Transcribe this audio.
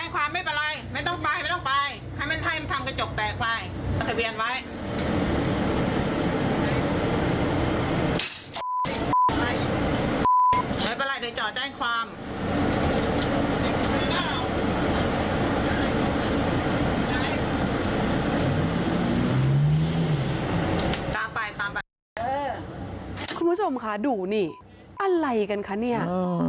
คุณผู้ชมค่ะดูนี่อะไรกันคะเนี่ย